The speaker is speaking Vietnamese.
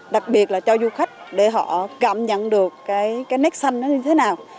đặc biệt là cho du khách để họ cảm nhận được cái nét xanh nó như thế nào